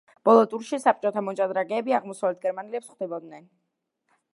ბოლო ტურში საბჭოთა მოჭადრაკეები აღმოსავლეთ გერმანელებს ხვდებოდნენ.